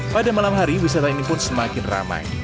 pada malam hari wisata ini pun semakin ramai